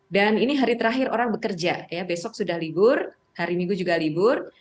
dan ini hari terakhir orang bekerja ya besok sudah libur hari minggu juga libur